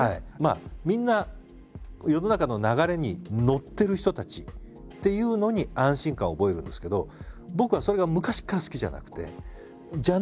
みんな世の中の流れに乗ってる人たちっていうのに安心感を覚えるんですけど僕はそれが昔から好きじゃなくて。